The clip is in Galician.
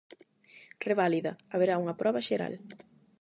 Reválida: haberá unha proba xeral.